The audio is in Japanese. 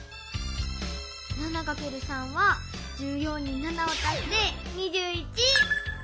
７×３は１４に７を足して２１。